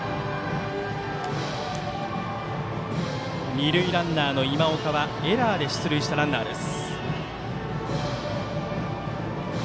二塁ランナーの今岡はエラーで出塁したランナーです。